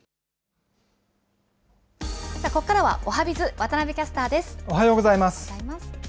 ここからはおはＢｉｚ、渡部おはようございます。